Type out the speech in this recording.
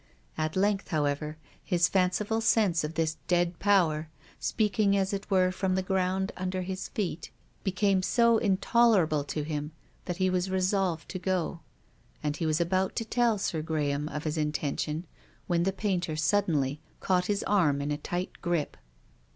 At length, however, his fanciful sense of this dead power, speaking as it were from the ground under his feet, became so intolerable to him that he was resolved to go ; and he was about to tell Sir Gra ham of his intention when the painter suddenly caught his arm in a tight grip.